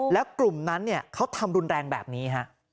แล้วกลุ่มนั้นเขาทำรุนแรงแบบนี้ฮะ